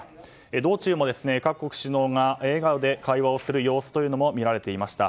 道中も、各国首脳が笑顔で会話をする様子というのも見られていました。